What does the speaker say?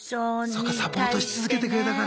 そうかサポートし続けてくれたから。